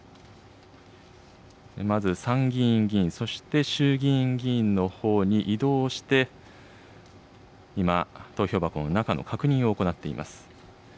まず参議院議員、そして衆議院議員のほうに移動して、今、投票箱の中の確認を行っています。